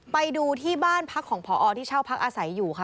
ไปดูที่บ้านพักของพอที่เช่าพักอาศัยอยู่ค่ะ